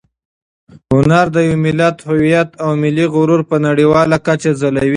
هنر د یو ملت هویت او ملي غرور په نړیواله کچه ځلوي.